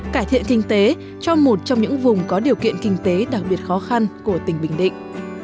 cải thiện kinh tế cho một trong những vùng có điều kiện kinh tế đặc biệt khó khăn của tỉnh bình định